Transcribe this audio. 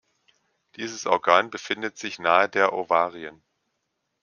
Dieses Organ befindet sich nahe der Ovarien.